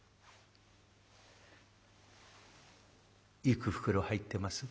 「いく袋入ってます？」。